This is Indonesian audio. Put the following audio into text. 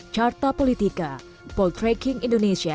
carta politika poltreking indonesia